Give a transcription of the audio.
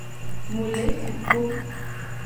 Mu le ci kpo.